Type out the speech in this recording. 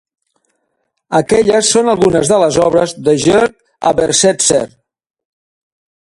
Aquelles són algunes de les obres de Jörg Habersetzer.